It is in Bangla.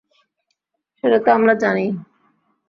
সেটা তো আমরা জানিই!